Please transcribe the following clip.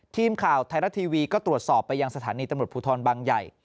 ทีมข่าวไทยรัฐทีวีก็ตรวจสอบไปยังสถานีตำรวจภูทรบางใหญ่